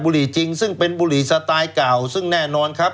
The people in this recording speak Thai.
หรี่จริงซึ่งเป็นบุหรี่สไตล์เก่าซึ่งแน่นอนครับ